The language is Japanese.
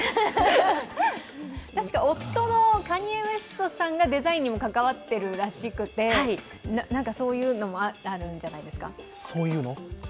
夫のカニエ・ウエストさんがデザインにも関わってるらしくて、そういうのもあるんじゃないんですか？